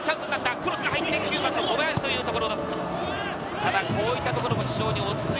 クロスが入って、９番の小林というところ。